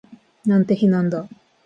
なんて日なんだ